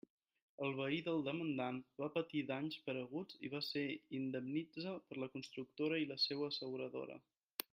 El veí del demandant va patir danys pareguts i va ser indemnitza per la constructora i la seua asseguradora.